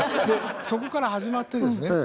そこから始まってですね